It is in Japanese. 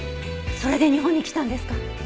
それで日本に来たんですか？